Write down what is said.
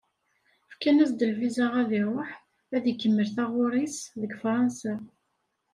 Fkan-as-d lviza ad iṛuḥ ad ikemmel taɣuṛi-s deg Fransa.